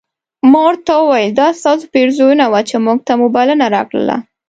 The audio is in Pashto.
ما ورته وویل دا ستاسو پیرزوینه وه چې موږ ته مو بلنه راکړله.